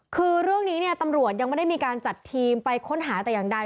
คือเรื่องนี้เนี่ยตำรวจยังไม่ได้มีการจัดทีมไปค้นหาแต่อย่างใด